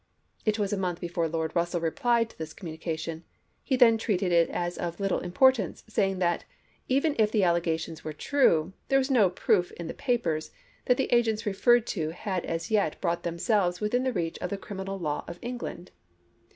It was a month before Lord Russell replied to this com munication ; he then treated it as of little impor tance, saying that, even if the allegations were true, there was no proof in the papers that the agents DIPLOMACY OF 1862 59 referred to had as yet brought themselves within chap. hi. the reach of the criminal law of England.